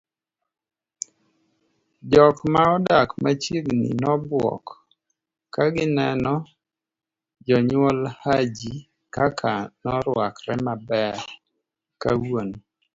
jok ma odak machiegni nobuok kagineno jonyuol Haji kaka noruakre maber kawuono